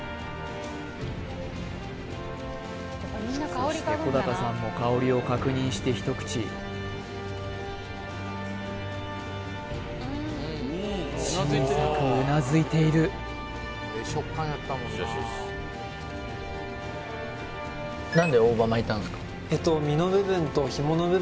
そして小高さんも香りを確認して一口小さくうなずいている何で大葉巻いたんですかというのが